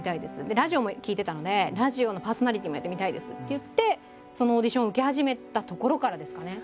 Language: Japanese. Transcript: でラジオも聴いてたので「ラジオのパーソナリティーもやってみたいです」って言ってそのオーディションを受け始めたところからですかね。